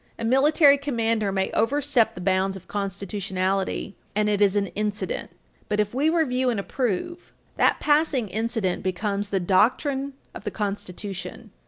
* A military commander may overstep the bounds of constitutionality, and it is an incident. But if we review and approve, that passing incident becomes the doctrine of the Constitution.